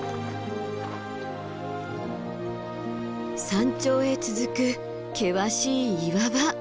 山頂へ続く険しい岩場。